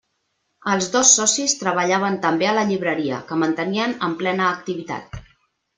Els dos socis treballaven també a la llibreria, que mantenien en plena activitat.